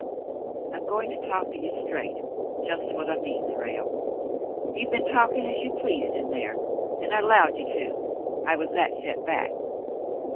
"I'm going to talk to you straight, just what I mean, Frale. You've been talking as you pleased in there, and I 'lowed you to, I was that set back.